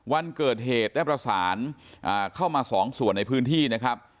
วันเกิดเหตุได้ประสานเข้ามาสองส่วนในพื้นที่นะครับ